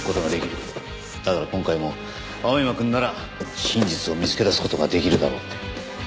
だから今回も青山くんなら真実を見つけ出す事ができるだろうって。